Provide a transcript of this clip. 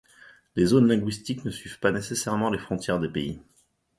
Les zones linguistiques ne suivent pas nécessairement les frontières des pays.